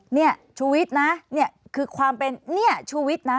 นี่ชุวิตนะคือความเป็นนี่ชุวิตนะ